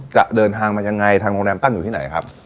จะเดินทางมายังไงทางโรงแรมตั้งอยู่ที่ไหนครับ